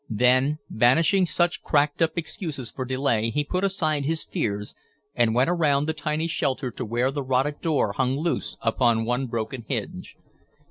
Then, banishing such cracked up excuses for delay he put aside his fears and went around the tiny shelter to where the rotted door hung loose upon one broken hinge.